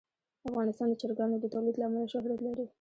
افغانستان د چرګانو د تولید له امله شهرت لري.